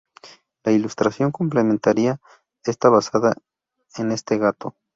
La ilustración complementaria está basada en este gato.